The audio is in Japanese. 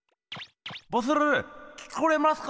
ボス聞こえますか？